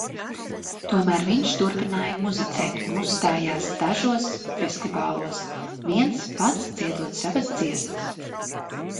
Tomēr viņš turpināja muzicēt un uzstājās dažos festivālos, viens pats dziedot savas dziesmas.